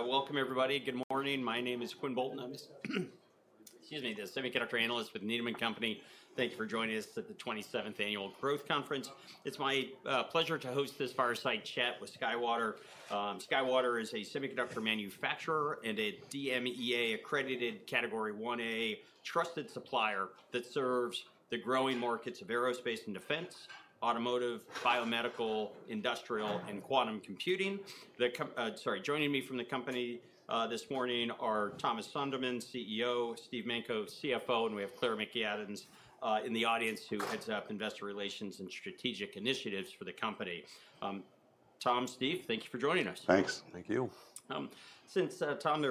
Welcome, everybody. Good morning. My name is Quinn Bolton. I'm a semiconductor analyst with Needham & Company. Thank you for joining us at the 27th Annual Growth Conference. It's my pleasure to host this fireside chat with SkyWater. SkyWater is a semiconductor manufacturer and a DMEA-accredited Category 1A trusted supplier that serves the growing markets of aerospace and defense, automotive, biomedical, industrial, and quantum computing. Joining me from the company this morning are Thomas Sonderman, CEO, Steve Manko, CFO, and we have Claire McAdams in the audience, who heads up investor relations and strategic initiatives for the company. Tom, Steve, thank you for joining us. Thanks. Thank you. Since, Tom,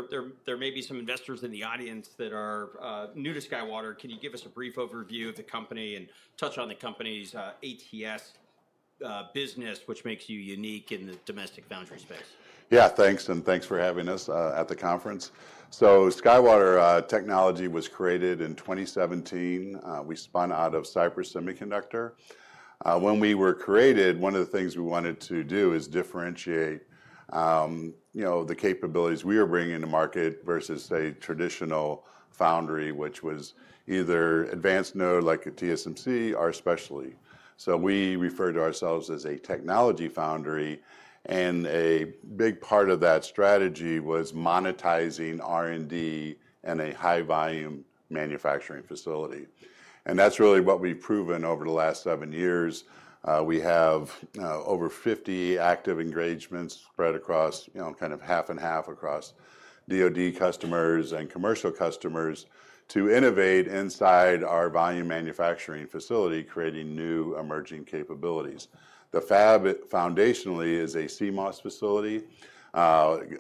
there may be some investors in the audience that are new to SkyWater, can you give us a brief overview of the company and touch on the company's ATS business, which makes you unique in the domestic foundry space? Yeah, thanks. And thanks for having us at the conference. So SkyWater Technology was created in 2017. We spun out of Cypress Semiconductor. When we were created, one of the things we wanted to do is differentiate the capabilities we were bringing to market versus, say, traditional foundry, which was either advanced node like a TSMC or specialty. So we refer to ourselves as a technology foundry. And a big part of that strategy was monetizing R&D and a high-volume manufacturing facility. And that's really what we've proven over the last seven years. We have over 50 active engagements spread across kind of half and half across DOD customers and commercial customers to innovate inside our volume manufacturing facility, creating new emerging capabilities. The fab, foundationally, is a CMOS facility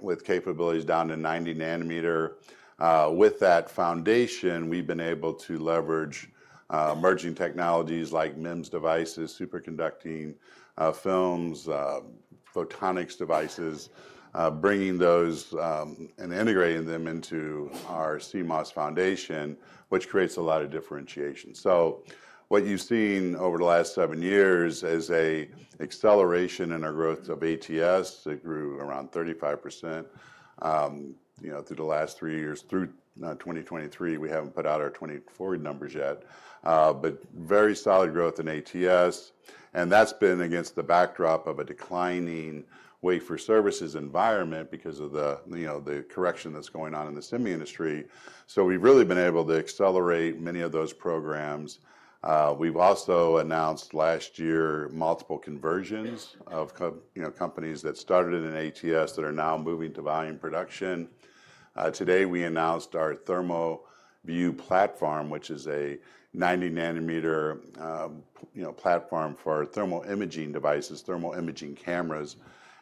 with capabilities down to 90 nm. With that foundation, we've been able to leverage emerging technologies like MEMS devices, superconducting films, photonics devices, bringing those and integrating them into our CMOS foundation, which creates a lot of differentiation. So what you've seen over the last seven years is an acceleration in our growth of ATS. It grew around 35% through the last three years. Through 2023, we haven't put out our 2024 numbers yet, but very solid growth in ATS. And that's been against the backdrop of a declining wafer services environment because of the correction that's going on in the semi industry. So we've really been able to accelerate many of those programs. We've also announced last year multiple conversions of companies that started in ATS that are now moving to volume production. Today, we announced our ThermaView platform, which is a 90 nm platform for thermal imaging devices, thermal imaging cameras,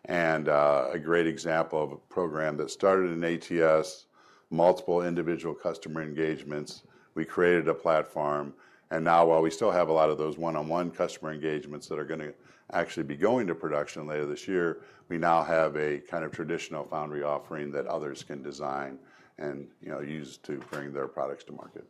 and a great example of a program that started in ATS, multiple individual customer engagements. We created a platform. Now, while we still have a lot of those one-on-one customer engagements that are going to actually be going to production later this year, we now have a kind of traditional foundry offering that others can design and use to bring their products to market.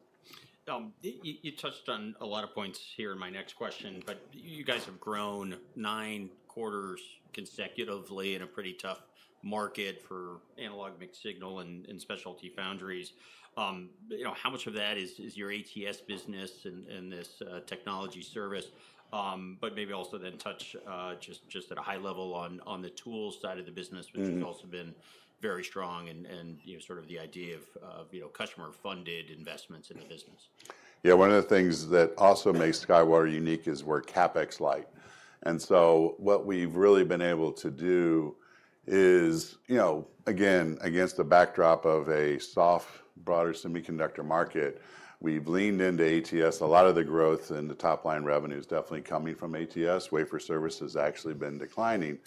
You touched on a lot of points here in my next question, but you guys have grown nine quarters consecutively in a pretty tough market for analog mixed signal and specialty foundries. How much of that is your ATS business and this technology service, but maybe also then touch just at a high level on the tools side of the business, which has also been very strong and sort of the idea of customer-funded investments in the business? Yeah, one of the things that also makes SkyWater unique is we're CapEx light. And so what we've really been able to do is, again, against the backdrop of a soft, broader semiconductor market, we've leaned into ATS. A lot of the growth and the top-line revenue is definitely coming from ATS. Wafer services has actually been declining.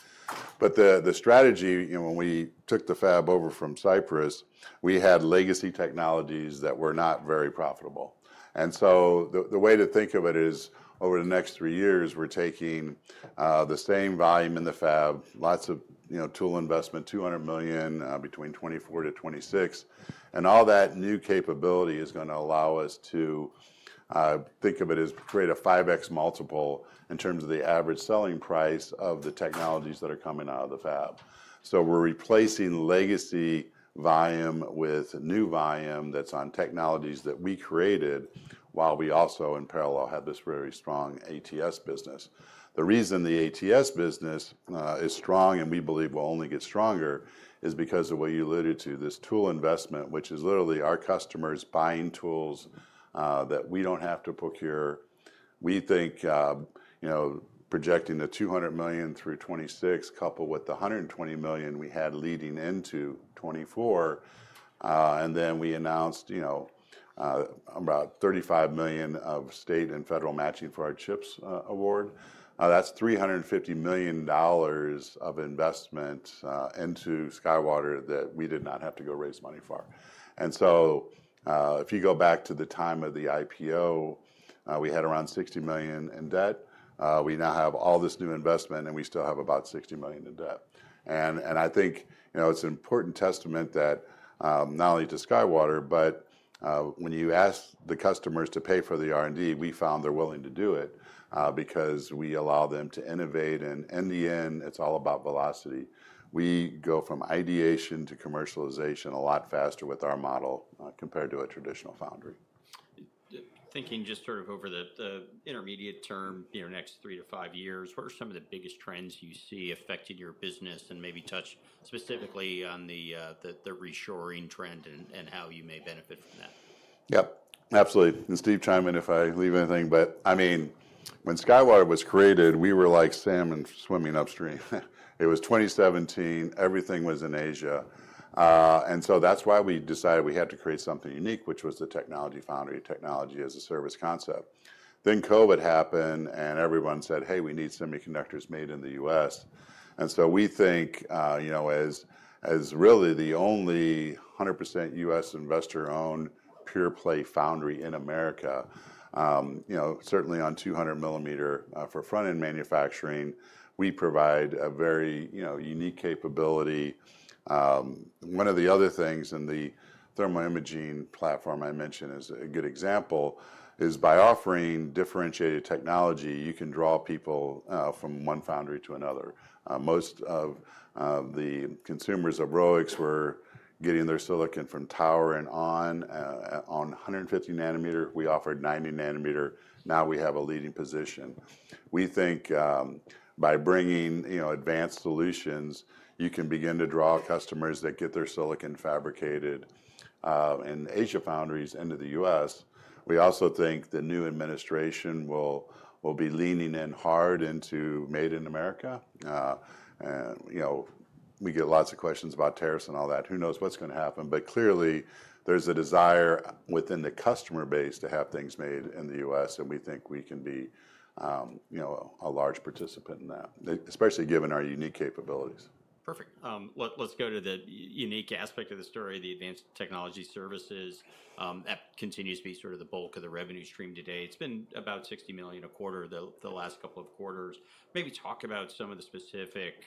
But the strategy, when we took the fab over from Cypress, we had legacy technologies that were not very profitable. And so the way to think of it is, over the next three years, we're taking the same volume in the fab, lots of tool investment, $200 million between 2024 to 2026. And all that new capability is going to allow us to think of it as create a 5x multiple in terms of the average selling price of the technologies that are coming out of the fab. We're replacing legacy volume with new volume that's on technologies that we created while we also, in parallel, had this very strong ATS business. The reason the ATS business is strong and we believe will only get stronger is because of what you alluded to, this tool investment, which is literally our customers buying tools that we don't have to procure. We think projecting the $200 million through 2026, coupled with the $120 million we had leading into 2024, and then we announced about $35 million of state and federal matching for our CHIPS award. That's $350 million of investment into SkyWater that we did not have to go raise money for. If you go back to the time of the IPO, we had around $60 million in debt. We now have all this new investment, and we still have about $60 million in debt. And I think it's an important testament that, not only to SkyWater, but when you ask the customers to pay for the R&D, we found they're willing to do it because we allow them to innovate. And in the end, it's all about velocity. We go from ideation to commercialization a lot faster with our model compared to a traditional foundry. Thinking just sort of over the intermediate term, next three to five years, what are some of the biggest trends you see affecting your business and maybe touch specifically on the reshoring trend and how you may benefit from that? Yep, absolutely. And Steve Manko, if I leave anything, but I mean, when SkyWater was created, we were like salmon swimming upstream. It was 2017. Everything was in Asia. And so that's why we decided we had to create something unique, which was the technology foundry, technology as a service concept. Then COVID happened, and everyone said, "Hey, we need semiconductors made in the U.S." And so we think, as really the only 100% U.S. investor-owned pure-play foundry in America, certainly on 200 mm for front-end manufacturing, we provide a very unique capability. One of the other things, and the thermal imaging platform I mentioned is a good example, is by offering differentiated technology, you can draw people from one foundry to another. Most of the consumers of ROICs were getting their silicon from Tower and on 150 nm. We offered 90 nm. Now we have a leading position. We think by bringing advanced solutions, you can begin to draw customers that get their silicon fabricated in Asia foundries into the U.S. We also think the new administration will be leaning in hard into Made in America. We get lots of questions about tariffs and all that. Who knows what's going to happen? But clearly, there's a desire within the customer base to have things made in the U.S. And we think we can be a large participant in that, especially given our unique capabilities. Perfect. Let's go to the unique aspect of the story, the Advanced Technology Services. That continues to be sort of the bulk of the revenue stream today. It's been about $60 million a quarter the last couple of quarters. Maybe talk about some of the specific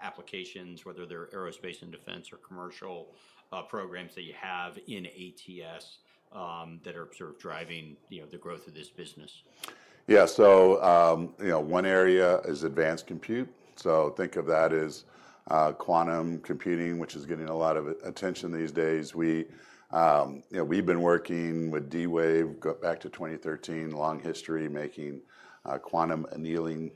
applications, whether they're aerospace and defense or commercial programs that you have in ATS that are sort of driving the growth of this business. Yeah, so one area is advanced compute. So think of that as quantum computing, which is getting a lot of attention these days. We've been working with D-Wave back to 2013, long history making quantum annealing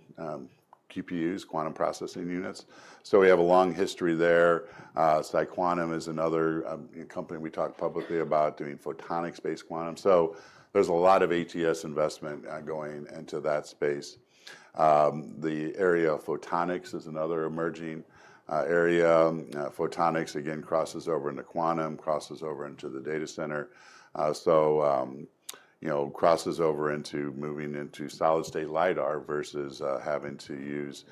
QPUs, quantum processing units. So we have a long history there. PsiQuantum is another company we talk publicly about doing photonics-based quantum. So there's a lot of ATS investment going into that space. The area of photonics is another emerging area. Photonics, again, crosses over into quantum, crosses over into the data center, so crosses over into moving into solid-state LiDAR versus having to use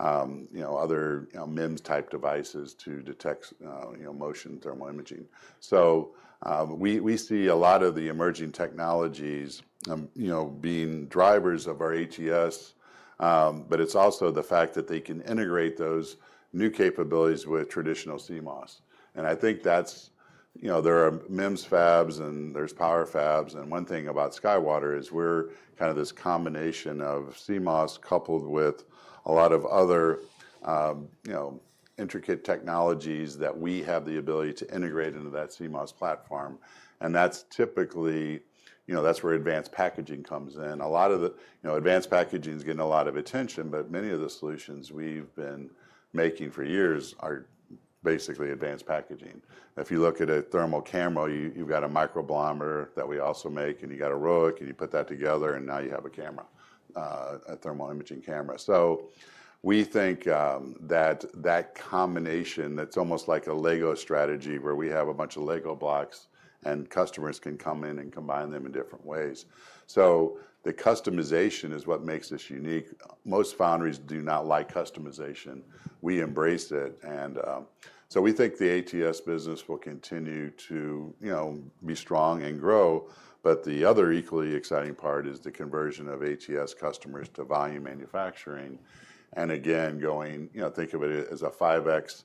other MEMS-type devices to detect motion thermal imaging. So we see a lot of the emerging technologies being drivers of our ATS, but it's also the fact that they can integrate those new capabilities with traditional CMOS. And I think there are MEMS fabs, and there's power fabs. One thing about SkyWater is we're kind of this combination of CMOS coupled with a lot of other intricate technologies that we have the ability to integrate into that CMOS platform. That's where advanced packaging comes in. A lot of advanced packaging is getting a lot of attention, but many of the solutions we've been making for years are basically advanced packaging. If you look at a thermal camera, you've got a microbolometer that we also make, and you've got a ROIC, and you put that together, and now you have a thermal imaging camera. We think that that combination, that's almost like a Lego strategy where we have a bunch of Lego blocks, and customers can come in and combine them in different ways. The customization is what makes this unique. Most foundries do not like customization. We embrace it. And so we think the ATS business will continue to be strong and grow. But the other equally exciting part is the conversion of ATS customers to volume manufacturing. And again, think of it as a 5x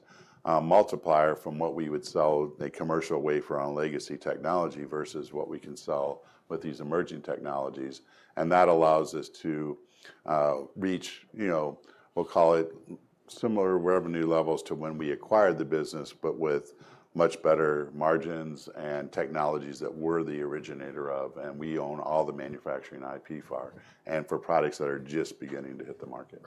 multiplier from what we would sell a commercial wafer on legacy technology versus what we can sell with these emerging technologies. And that allows us to reach, we'll call it similar revenue levels to when we acquired the business, but with much better margins and technologies that we're the originator of. And we own all the manufacturing IP for and for products that are just beginning to hit the market.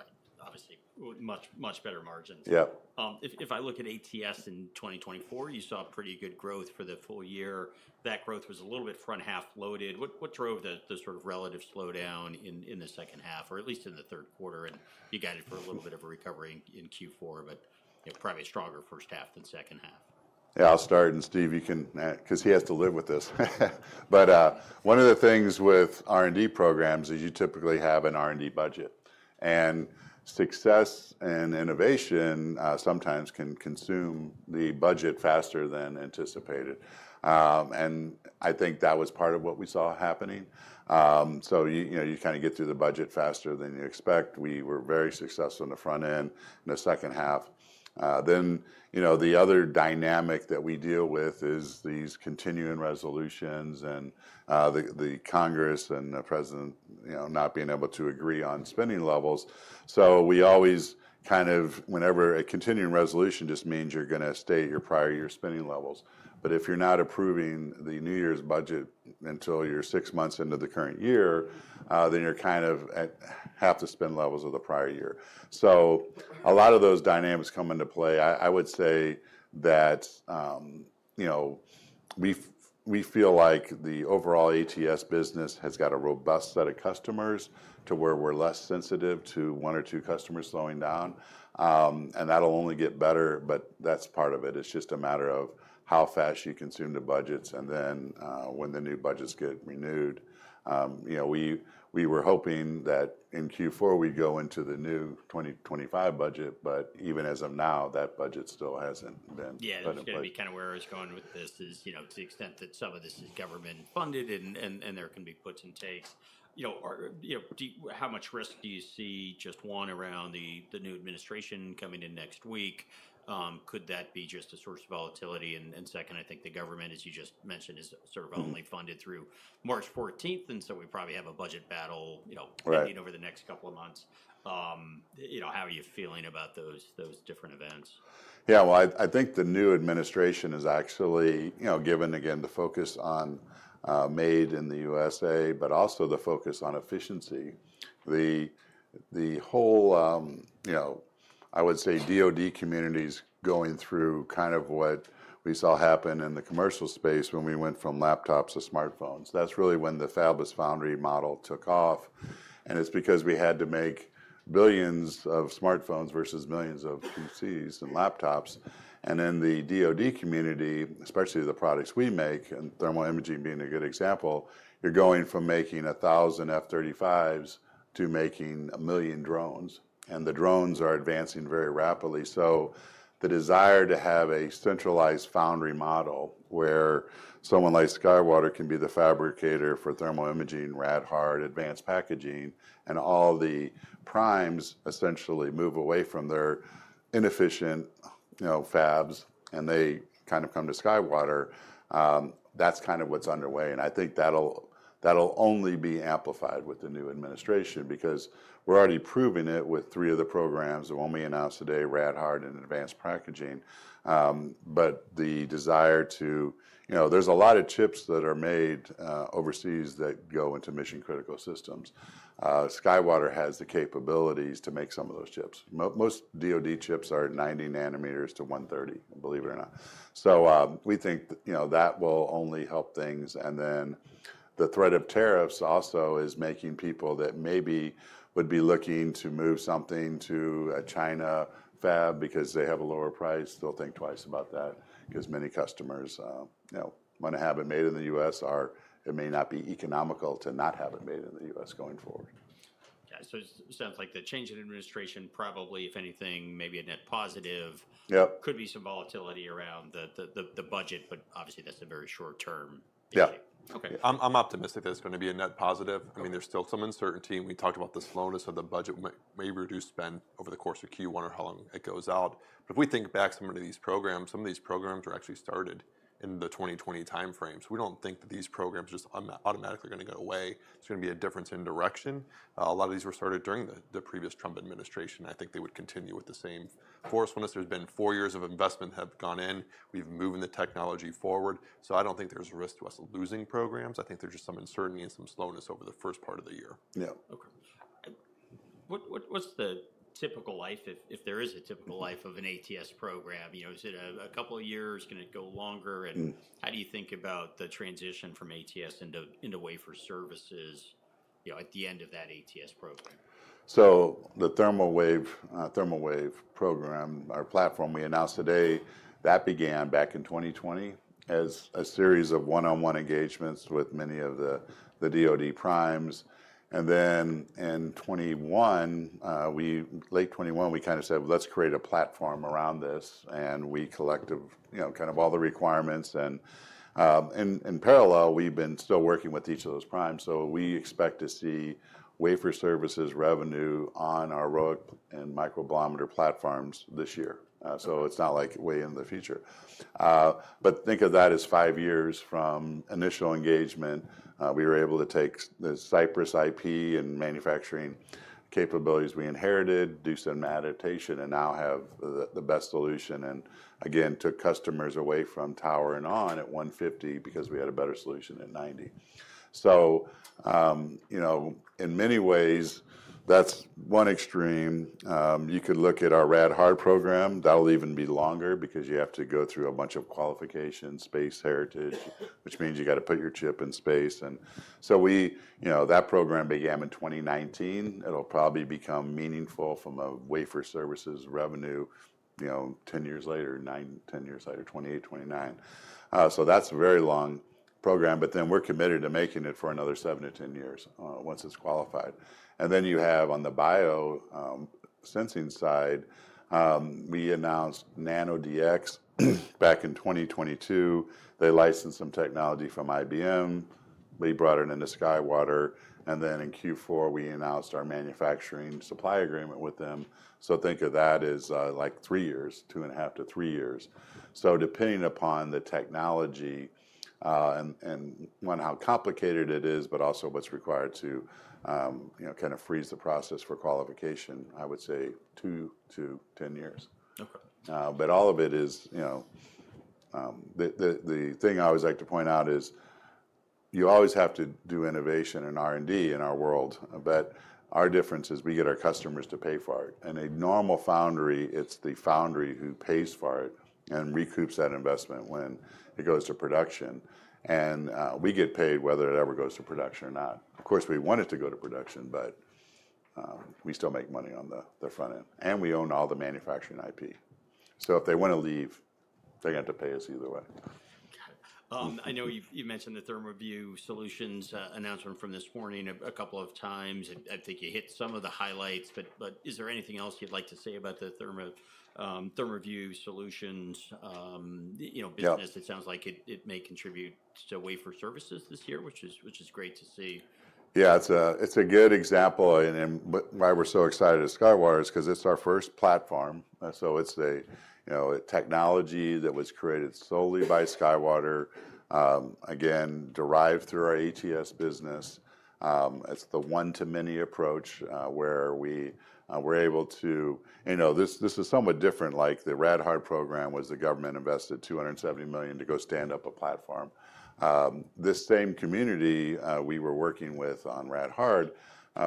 Obviously, much better margins. Yep. If I look at ATS in 2024, you saw pretty good growth for the full year. That growth was a little bit front half loaded. What drove the sort of relative slowdown in the second half, or at least in the third quarter, and you got it for a little bit of a recovery in Q4, but probably stronger first half than second half. Yeah, I'll start, and Steve, you can because he has to live with this. One of the things with R&D programs is you typically have an R&D budget, and success and innovation sometimes can consume the budget faster than anticipated. I think that was part of what we saw happening, so you kind of get through the budget faster than you expect. We were very successful in the front end in the second half. The other dynamic that we deal with is these continuing resolutions and the Congress and the President not being able to agree on spending levels, so we always kind of, whenever a continuing resolution just means you're going to stay at your prior year spending levels. But if you're not approving the New Year's budget until you're six months into the current year, then you're kind of at half the spend levels of the prior year. So a lot of those dynamics come into play. I would say that we feel like the overall ATS business has got a robust set of customers to where we're less sensitive to one or two customers slowing down. And that'll only get better, but that's part of it. It's just a matter of how fast you consume the budgets and then when the new budgets get renewed. We were hoping that in Q4 we'd go into the new 2025 budget, but even as of now, that budget still hasn't been approved. Yeah, that's going to be kind of where I was going with this is to the extent that some of this is government funded and there can be puts and takes. How much risk do you see just one around the new administration coming in next week? Could that be just a source of volatility? And second, I think the government, as you just mentioned, is sort of only funded through March 14th. And so we probably have a budget battle over the next couple of months. How are you feeling about those different events? Yeah, well, I think the new administration has actually given, again, the focus on made in the USA, but also the focus on efficiency. The whole, I would say, DOD community is going through kind of what we saw happen in the commercial space when we went from laptops to smartphones. That's really when the fabless foundry model took off. And it's because we had to make billions of smartphones versus millions of PCs and laptops. And then the DOD community, especially the products we make, and thermal imaging being a good example, you're going from making 1,000 F-35s to making a million drones. And the drones are advancing very rapidly. The desire to have a centralized foundry model where someone like SkyWater can be the fabricator for thermal imaging, RadHard, advanced packaging, and all the primes essentially move away from their inefficient fabs and they kind of come to SkyWater, that's kind of what's underway. I think that'll only be amplified with the new administration because we're already proving it with three of the programs that won't be announced today, RadHard and advanced packaging. The desire to, there's a lot of CHIPS that are made overseas that go into mission-critical systems. SkyWater has the capabilities to make some of those CHIPS. Most DOD CHIPS are 90 nm-130 nm, believe it or not. We think that will only help things. Then the threat of tariffs also is making people that maybe would be looking to move something to a China fab because they have a lower price. They'll think twice about that because many customers want to have it made in the U.S. or it may not be economical to not have it made in the U.S. going forward. Yeah, so it sounds like the change in administration probably, if anything, maybe a net positive. Could be some volatility around the budget, but obviously that's a very short-term thing. Yeah, I'm optimistic that it's going to be a net positive. I mean, there's still some uncertainty. We talked about the slowness of the budget may reduce spend over the course of Q1 or how long it goes out. But if we think back some of these programs, some of these programs were actually started in the 2020 timeframe. So we don't think that these programs are just automatically going to go away. There's going to be a difference in direction. A lot of these were started during the previous Trump administration. I think they would continue with the same force. Once there's been four years of investment that have gone in, we've moved the technology forward. So I don't think there's a risk to us losing programs. I think there's just some uncertainty and some slowness over the first part of the year. Yeah. What's the typical life, if there is a typical life of an ATS program? Is it a couple of years? Can it go longer? And how do you think about the transition from ATS into wafer services at the end of that ATS program? The ThermaView program, our platform we announced today, that began back in 2020 as a series of one-on-one engagements with many of the DOD primes, and then in 2021, late 2021, we kind of said, well, let's create a platform around this. We collected kind of all the requirements, and in parallel, we've been still working with each of those primes. We expect to see wafer services revenue on our ROIC and microbolometer platforms this year. It's not like way in the future, but think of that as five years from initial engagement. We were able to take the Cypress IP and manufacturing capabilities we inherited, do some adaptation, and now have the best solution. Again, took customers away from Tower and onsemi at 150 nm because we had a better solution at 90 nm. In many ways, that's one extreme. You could look at our RadHard program. That'll even be longer because you have to go through a bunch of qualifications, space heritage, which means you got to put your chip in space, and so that program began in 2019. It'll probably become meaningful from a wafer services revenue 10 years later, 10 years later, 2028, 2029. So that's a very long program, but then we're committed to making it for another 7-10 years once it's qualified. And then you have on the biosensing side, we announced NanoDx back in 2022. They licensed some technology from IBM. We brought it into SkyWater, and then in Q4, we announced our manufacturing supply agreement with them. So think of that as like three years, two and a half to three years. Depending upon the technology and how complicated it is, but also what's required to kind of freeze the process for qualification, I would say two to 10 years. But all of it is the thing I always like to point out is you always have to do innovation and R&D in our world. But our difference is we get our customers to pay for it. And a normal foundry, it's the foundry who pays for it and recoups that investment when it goes to production. And we get paid whether it ever goes to production or not. Of course, we want it to go to production, but we still make money on the front end. And we own all the manufacturing IP. So if they want to leave, they're going to have to pay us either way. I know you've mentioned the ThermaView Solutions announcement from this morning a couple of times. I think you hit some of the highlights. But is there anything else you'd like to say about the ThermaView Solutions business? It sounds like it may contribute to wafer services this year, which is great to see. Yeah, it's a good example. And why we're so excited at SkyWater is because it's our first platform. So it's a technology that was created solely by SkyWater, again, derived through our ATS business. It's the one-to-many approach where we were able to, this is somewhat different, like the RadHard program was, the government invested $270 million to go stand up a platform. This same community we were working with on RadHard,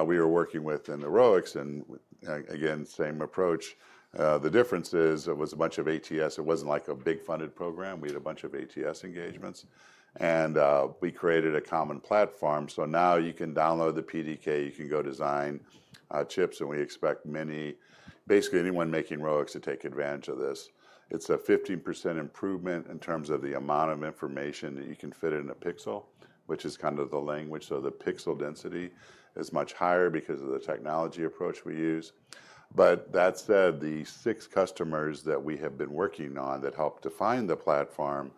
we were working with in the ROICs and again, same approach. The difference is it was a bunch of ATS. It wasn't like a big funded program. We had a bunch of ATS engagements, and we created a common platform. So now you can download the PDK, you can go design CHIPS, and we expect many, basically anyone making ROICs to take advantage of this. It's a 15% improvement in terms of the amount of information that you can fit in a pixel, which is kind of the language. So the pixel density is much higher because of the technology approach we use. But that said, the six customers that we have been working on that helped define the platform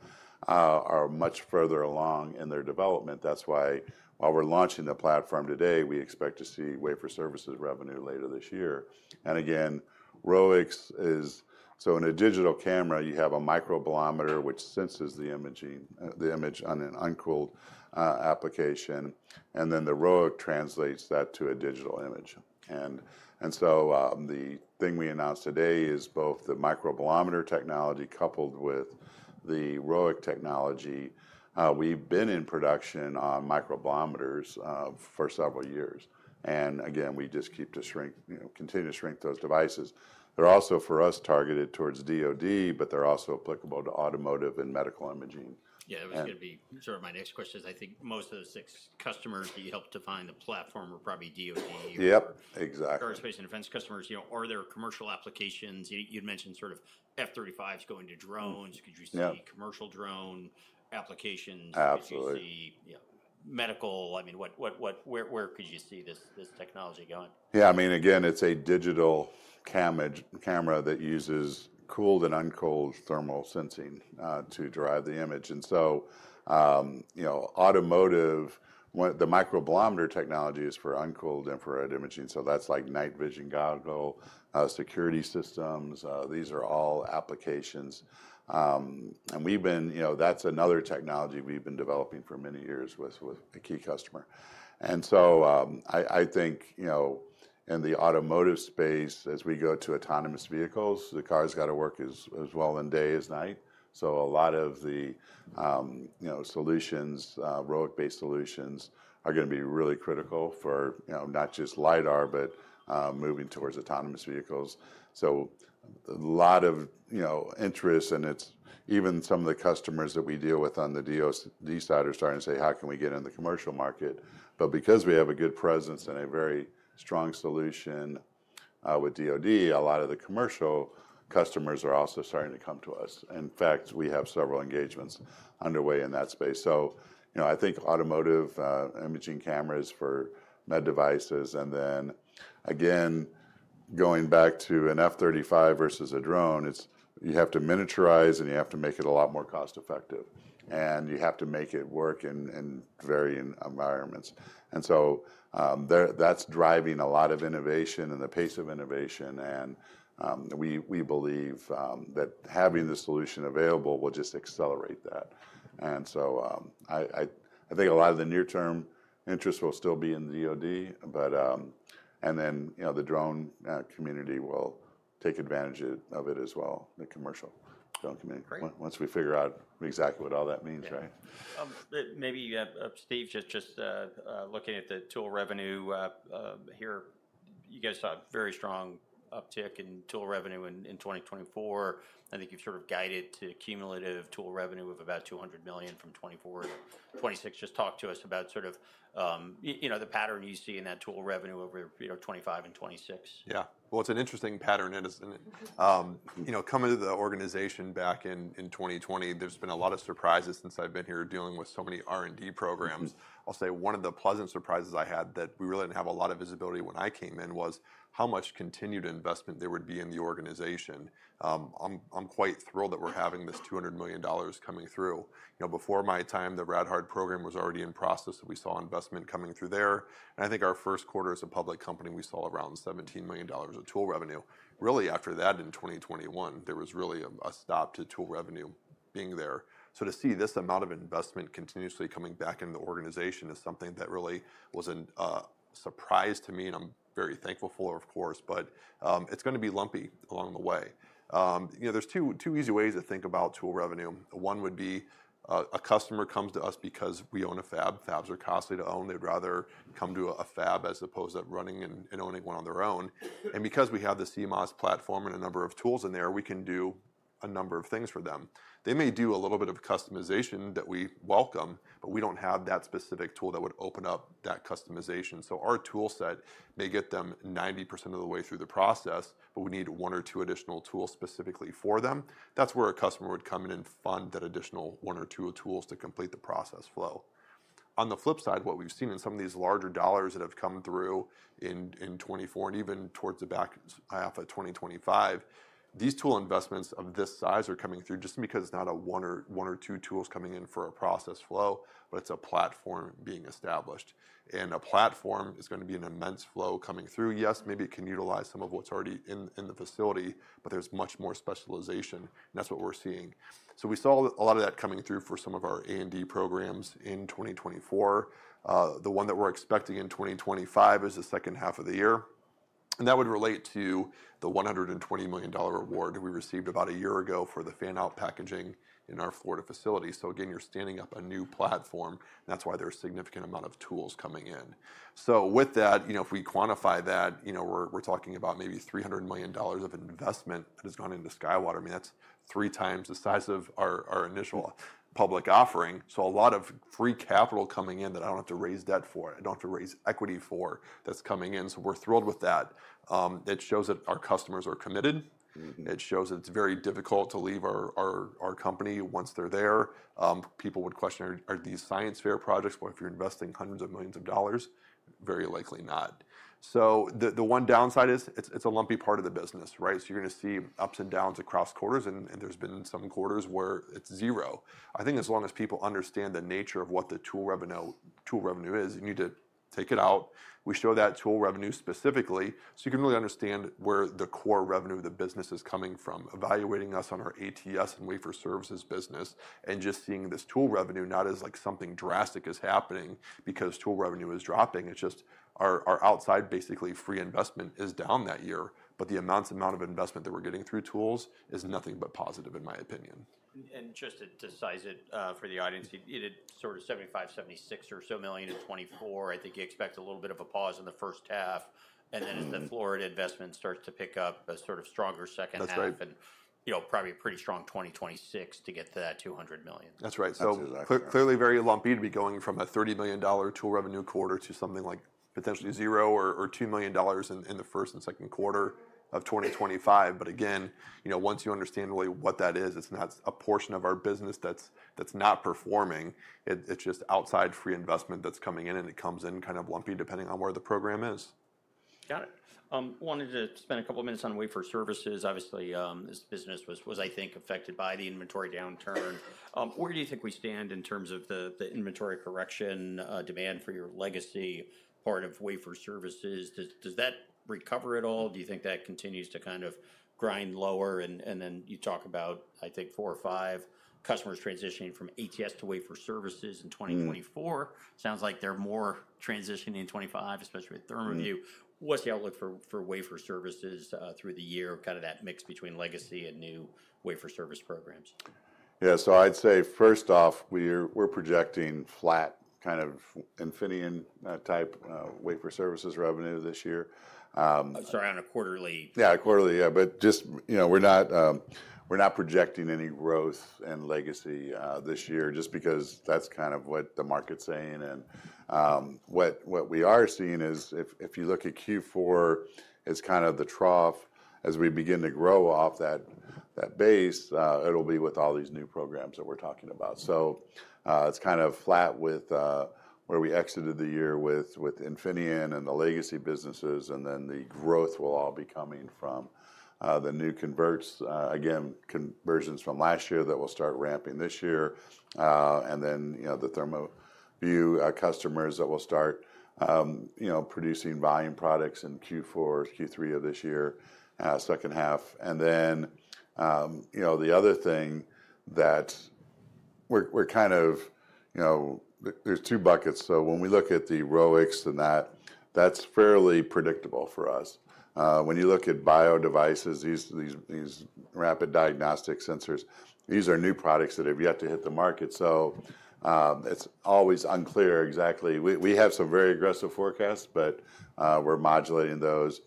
are much further along in their development. That's why while we're launching the platform today, we expect to see wafer services revenue later this year. And again, ROICs is, so in a digital camera, you have a microbolometer, which senses the image on an uncooled application. And then the ROIC translates that to a digital image. And so the thing we announced today is both the microbolometer technology coupled with the ROIC technology. We've been in production on microbolometers for several years. And again, we just continue to shrink those devices. They're also for us targeted towards DOD, but they're also applicable to automotive and medical imaging. Yeah, it was going to be sort of my next question. I think most of the six customers that you helped define the platform were probably DOD. Yep, exactly. Aerospace and defense customers, are there commercial applications? You'd mentioned sort of F-35s going to drones. Could you see commercial drone applications? Medical, I mean, where could you see this technology going? Yeah, I mean, again, it's a digital camera that uses cooled and uncooled thermal sensing to drive the image, and so automotive, the microbolometer technology is for uncooled infrared imaging. So that's like night vision goggles, security systems. These are all applications, and that's another technology we've been developing for many years with a key customer, and so I think in the automotive space, as we go to autonomous vehicles, the car's got to work as well in day as night. So a lot of the solutions, ROIC-based solutions are going to be really critical for not just LiDAR, but moving towards autonomous vehicles. So a lot of interest and even some of the customers that we deal with on the DOD side are starting to say, how can we get in the commercial market? But because we have a good presence and a very strong solution with DOD, a lot of the commercial customers are also starting to come to us. In fact, we have several engagements underway in that space. So I think automotive imaging cameras for med devices. And then again, going back to an F-35 versus a drone, you have to miniaturize and you have to make it a lot more cost-effective. And you have to make it work in varying environments. And so that's driving a lot of innovation and the pace of innovation. And we believe that having the solution available will just accelerate that. And so I think a lot of the near-term interest will still be in DOD. And then the drone community will take advantage of it as well, the commercial drone community, once we figure out exactly what all that means, right? Maybe you have Steve just looking at the tool revenue here. You guys saw a very strong uptick in tool revenue in 2024. I think you've sort of guided to cumulative tool revenue of about $200 million from 2024 to 2026. Just talk to us about sort of the pattern you see in that tool revenue over 2025 and 2026. Yeah, well, it's an interesting pattern. Coming to the organization back in 2020, there's been a lot of surprises since I've been here dealing with so many R&D programs. I'll say one of the pleasant surprises I had that we really didn't have a lot of visibility when I came in was how much continued investment there would be in the organization. I'm quite thrilled that we're having this $200 million coming through. Before my time, the RadHard program was already in process that we saw investment coming through there. And I think our first quarter as a public company, we saw around $17 million of tool revenue. Really after that in 2021, there was really a stop to tool revenue being there. So to see this amount of investment continuously coming back into the organization is something that really was a surprise to me and I'm very thankful for, of course, but it's going to be lumpy along the way. There's two easy ways to think about tool revenue. One would be a customer comes to us because we own a fab. Fabs are costly to own. They'd rather come to a fab as opposed to running and owning one on their own. And because we have the CMOS platform and a number of tools in there, we can do a number of things for them. They may do a little bit of customization that we welcome, but we don't have that specific tool that would open up that customization. So our toolset may get them 90% of the way through the process, but we need one or two additional tools specifically for them. That's where a customer would come in and fund that additional one or two tools to complete the process flow. On the flip side, what we've seen in some of these larger dollars that have come through in 2024 and even towards the back half of 2025, these tool investments of this size are coming through just because it's not a one or two tools coming in for a process flow, but it's a platform being established. And a platform is going to be an immense flow coming through. Yes, maybe it can utilize some of what's already in the facility, but there's much more specialization. And that's what we're seeing. So we saw a lot of that coming through for some of our A&D programs in 2024. The one that we're expecting in 2025 is the second half of the year. And that would relate to the $120 million award we received about a year ago for the fan out packaging in our Florida facility. So again, you're standing up a new platform. That's why there's a significant amount of tools coming in. So with that, if we quantify that, we're talking about maybe $300 million of investment that has gone into SkyWater. I mean, that's 3x the size of our initial public offering. So a lot of free capital coming in that I don't have to raise debt for, I don't have to raise equity for that's coming in. So we're thrilled with that. It shows that our customers are committed. It shows that it's very difficult to leave our company once they're there. People would question, are these science fair projects? Well, if you're investing hundreds of millions of dollars, very likely not. So the one downside is it's a lumpy part of the business, right? So you're going to see ups and downs across quarters. And there's been some quarters where it's zero. I think as long as people understand the nature of what the tool revenue is, you need to take it out. We show that tool revenue specifically so you can really understand where the core revenue of the business is coming from. Evaluating us on our ATS and wafer services business and just seeing this tool revenue not as like something drastic is happening because tool revenue is dropping. It's just our outside basically free investment is down that year. But the amount of investment that we're getting through tools is nothing but positive, in my opinion. Just to size it for the audience, you did sort of $75-$76 million or so in 2024. I think you expect a little bit of a pause in the first half. And then as the Florida investment starts to pick up, a sort of stronger second half and probably a pretty strong 2026 to get to that $200 million. That's right. So clearly very lumpy to be going from a $30 million tool revenue quarter to something like potentially zero or $2 million in the first and second quarter of 2025. But again, once you understand really what that is, it's not a portion of our business that's not performing. It's just outside free investment that's coming in and it comes in kind of lumpy depending on where the program is. Got it. Wanted to spend a couple of minutes on wafer services. Obviously, this business was, I think, affected by the inventory downturn. Where do you think we stand in terms of the inventory correction demand for your legacy part of wafer services? Does that recover at all? Do you think that continues to kind of grind lower? And then you talk about, I think, four or five customers transitioning from ATS to wafer services in 2024. Sounds like they're more transitioning in 2025, especially with ThermaView. What's the outlook for wafer services through the year, kind of that mix between legacy and new wafer service programs? Yeah, so I'd say first off, we're projecting flat kind of Infineon type wafer services revenue this year. Sorry, on a quarterly. Yeah, quarterly, yeah. But just we're not projecting any growth in legacy this year just because that's kind of what the market's saying. And what we are seeing is if you look at Q4, it's kind of the trough as we begin to grow off that base, it'll be with all these new programs that we're talking about. So it's kind of flat with where we exited the year with Infineon and the legacy businesses. And then the growth will all be coming from the new converts, again, conversions from last year that will start ramping this year. And then the ThermaView customers that will start producing volume products in Q4, Q3 of this year, second half. And then the other thing that we're kind of, there's two buckets. So when we look at the ROICs and that, that's fairly predictable for us. When you look at bio devices, these rapid diagnostic sensors, these are new products that have yet to hit the market, so it's always unclear exactly. We have some very aggressive forecasts, but we're modulating those.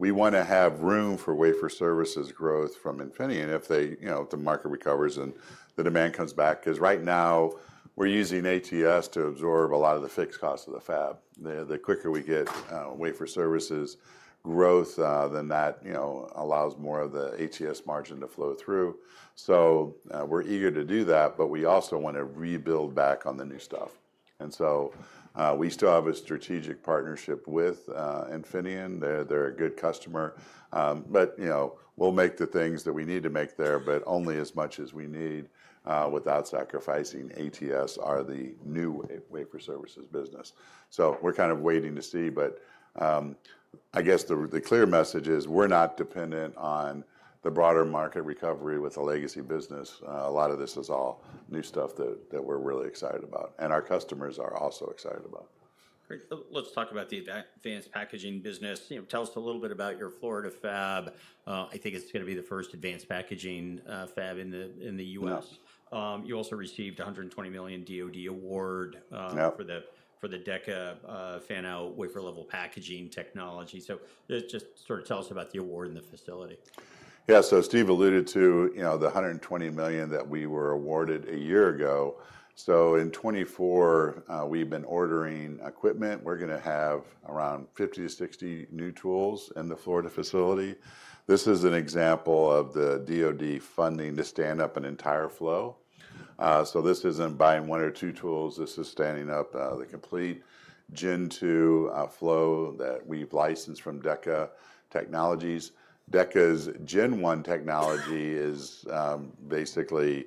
We want to have room for wafer services growth from Infineon if the market recovers and the demand comes back. Because right now, we're using ATS to absorb a lot of the fixed costs of the fab. The quicker we get wafer services growth, then that allows more of the ATS margin to flow through, so we're eager to do that, but we also want to rebuild back on the new stuff, and so we still have a strategic partnership with Infineon. They're a good customer, but we'll make the things that we need to make there, but only as much as we need without sacrificing ATS or the new wafer services business. We're kind of waiting to see. I guess the clear message is we're not dependent on the broader market recovery with the legacy business. A lot of this is all new stuff that we're really excited about. Our customers are also excited about. Great. Let's talk about the advanced packaging business. Tell us a little bit about your Florida fab. I think it's going to be the first advanced packaging fab in the U.S. You also received a $120 million DOD award for the Deca fan-out wafer-level packaging technology. So just sort of tell us about the award and the facility. Yeah, so Steve alluded to the $120 million that we were awarded a year ago. So in 2024, we've been ordering equipment. We're going to have around 50, 60 new tools in the Florida facility. This is an example of the DOD funding to stand up an entire flow. So this isn't buying one or two tools. This is standing up the complete Gen 2 flow that we've licensed from Deca Technologies. Deca's Gen 1 technology is basically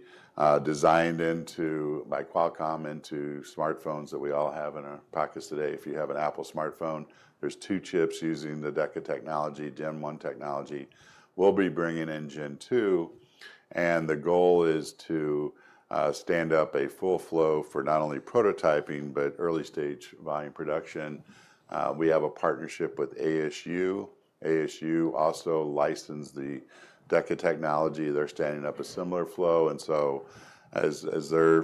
designed by Qualcomm into smartphones that we all have in our pockets today. If you have an Apple smartphone, there's two CHIPS using the Deca technology, Gen 1 technology. We'll be bringing in Gen 2, and the goal is to stand up a full flow for not only prototyping, but early stage volume production. We have a partnership with ASU. ASU also licensed the Deca technology. They're standing up a similar flow, and so as their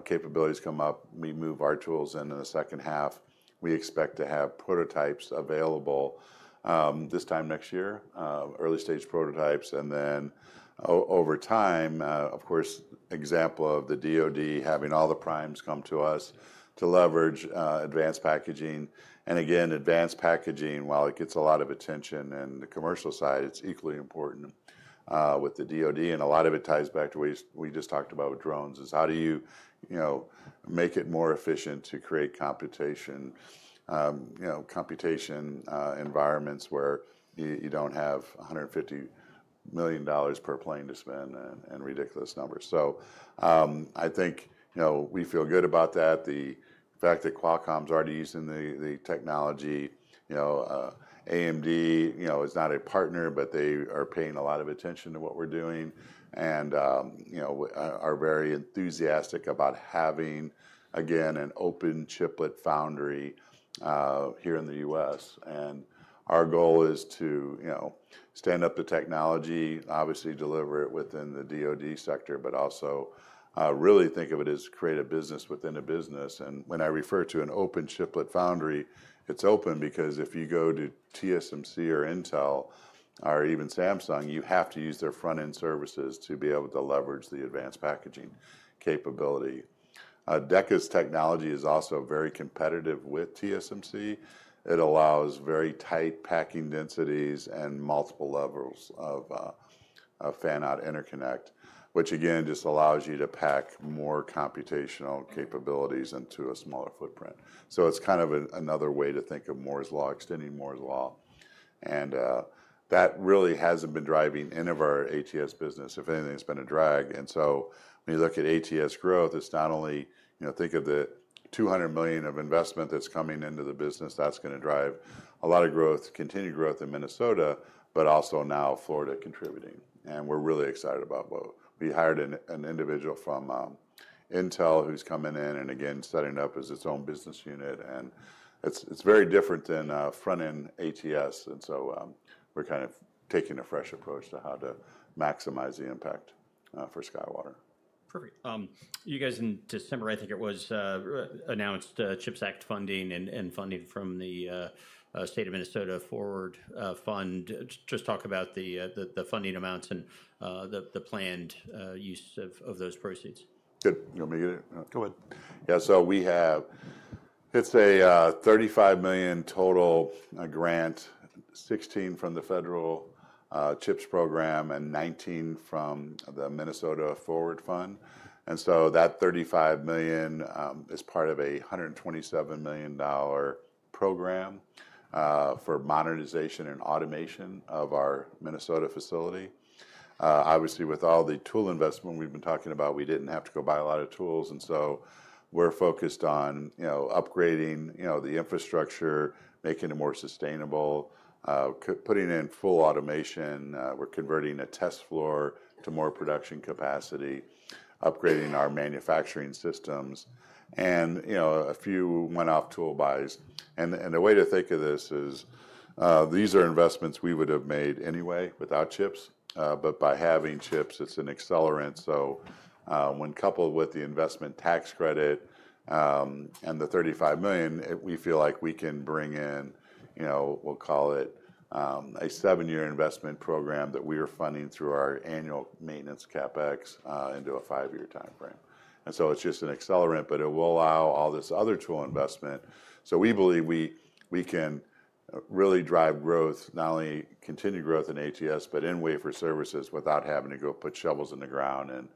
capabilities come up, we move our tools in the second half. We expect to have prototypes available this time next year, early stage prototypes, and then over time, of course, example of the DOD having all the primes come to us to leverage advanced packaging, and again, advanced packaging, while it gets a lot of attention in the commercial side, it's equally important with the DOD, and a lot of it ties back to what we just talked about with drones is how do you make it more efficient to create computation environments where you don't have $150 million per plane to spend and ridiculous numbers. So I think we feel good about that the fact that Qualcomm's already using the technology, AMD is not a partner, but they are paying a lot of attention to what we're doing and are very enthusiastic about having, again, an open chiplet foundry here in the U.S. Our goal is to stand up the technology, obviously deliver it within the DOD sector, but also really think of it as create a business within a business. When I refer to an open chiplet foundry, it's open because if you go to TSMC or Intel or even Samsung, you have to use their front-end services to be able to leverage the advanced packaging capability. Deca's technology is also very competitive with TSMC. It allows very tight packing densities and multiple levels of fan-out interconnect, which again just allows you to pack more computational capabilities into a smaller footprint. So it's kind of another way to think of Moore's Law, extending Moore's Law. And that really hasn't been driving any of our ATS business. If anything, it's been a drag. And so when you look at ATS growth, it's not only think of the $200 million of investment that's coming into the business. That's going to drive a lot of growth, continued growth in Minnesota, but also now Florida contributing. And we're really excited about both. We hired an individual from Intel who's coming in and again setting up as its own business unit. And it's very different than front-end ATS. And so we're kind of taking a fresh approach to how to maximize the impact for SkyWater. Perfect. You guys in December, I think it was announced CHIPS Act funding and funding from the state of Minnesota Forward Fund. Just talk about the funding amounts and the planned use of those proceeds. Good. You want me to get it? Go ahead. Yeah, so we have. It's a $35 million total grant, $16 million from the federal CHIPS program and $19 million from the Minnesota Forward Fund. And so that $35 million is part of a $127 million program for modernization and automation of our Minnesota facility. Obviously, with all the tool investment we've been talking about, we didn't have to go buy a lot of tools. And so we're focused on upgrading the infrastructure, making it more sustainable, putting in full automation. We're converting a test floor to more production capacity, upgrading our manufacturing systems. And a few one-off tool buys. And the way to think of this is these are investments we would have made anyway without CHIPS. But by having CHIPS, it's an accelerant. So when coupled with the investment tax credit and the $35 million, we feel like we can bring in, we'll call it a seven-year investment program that we are funding through our annual maintenance CapEx into a five-year timeframe. And so it's just an accelerant, but it will allow all this other tool investment. So we believe we can really drive growth, not only continue growth in ATS, but in wafer services without having to go put shovels in the ground and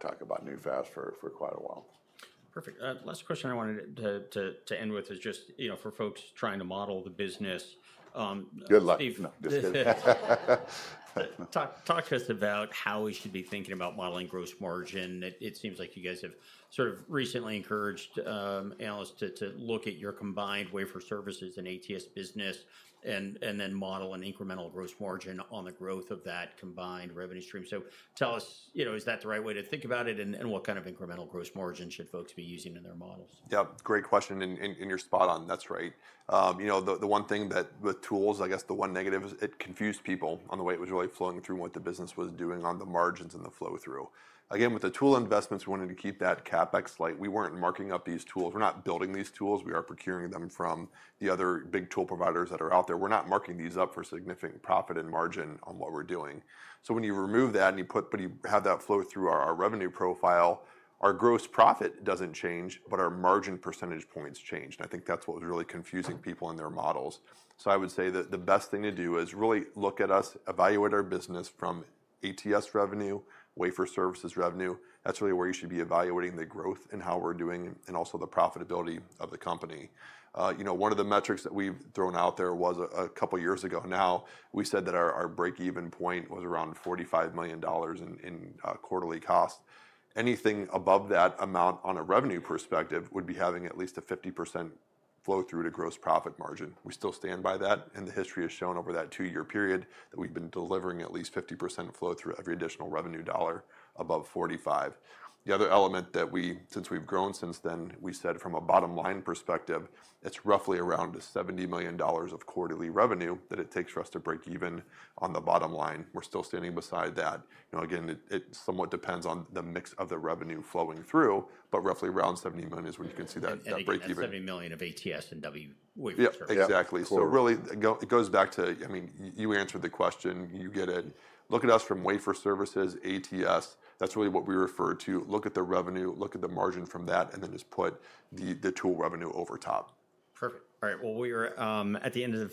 talk about new fab for quite a while. Perfect. Last question I wanted to end with is just for folks trying to model the business. Good luck. Talk to us about how we should be thinking about modeling gross margin. It seems like you guys have sort of recently encouraged analysts to look at your combined wafer services and ATS business and then model an incremental gross margin on the growth of that combined revenue stream. So tell us, is that the right way to think about it? And what kind of incremental gross margin should folks be using in their models? Yep. Great question and you're spot on. That's right. The one thing that with tools, I guess, the one negative is it confused people on the way it was really flowing through what the business was doing on the margins and the flow through. Again, with the tool investments, we wanted to keep that CapEx light. We weren't marking up these tools. We're not building these tools. We are procuring them from the other big tool providers that are out there. We're not marking these up for significant profit and margin on what we're doing. So when you remove that and you put but you have that flow through our revenue profile, our gross profit doesn't change, but our margin percentage points change. And I think that's what was really confusing people in their models. So I would say that the best thing to do is really look at us, evaluate our business from ATS revenue, wafer services revenue. That's really where you should be evaluating the growth and how we're doing and also the profitability of the company. One of the metrics that we've thrown out there was a couple of years ago. Now we said that our break-even point was around $45 million in quarterly cost. Anything above that amount on a revenue perspective would be having at least a 50% flow through to gross profit margin. We still stand by that. And the history has shown over that two-year period that we've been delivering at least 50% flow through every additional revenue dollar above $45 million. The other element that we, since we've grown since then, we said from a bottom line perspective, it's roughly around $70 million of quarterly revenue that it takes for us to break even on the bottom line. We're still standing beside that. Again, it somewhat depends on the mix of the revenue flowing through, but roughly around $70 million is when you can see that break-even. $70 million of ATS and WS. Exactly. So really it goes back to, I mean, you answered the question, you get it. Look at us from Wafer Services, ATS. That's really what we refer to. Look at the revenue, look at the margin from that, and then just put the tool revenue over top. Perfect. All right.